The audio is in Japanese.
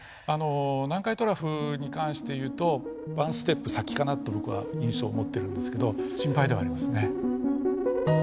南海トラフに関して言うとワンステップ先かなと僕は印象を持ってるんですけど心配ではありますね。